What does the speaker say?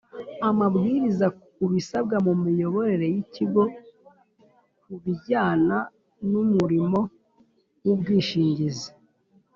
Amabwiriza ku bisabwa mu miyoborere y ikigo ku bijyana n umurimo w ubwishingizi